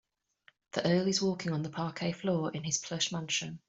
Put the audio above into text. The earl is walking on the parquet floor in his plush mansion.